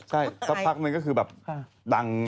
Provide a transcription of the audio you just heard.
ใช่ซับพักมันก็คือแบบดัง